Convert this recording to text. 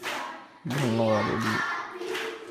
ধন্যবাদ, এডি।